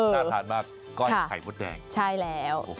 น่าทานมากก้อนไข่มดแดงใช่แล้ว